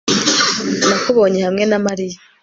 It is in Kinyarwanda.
Nakubonye hamwe na Mariya